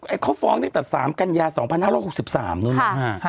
ไอ้เขาฟ้องเนี่ยตัดสามกัญญา๒๕๖๓นึงนะ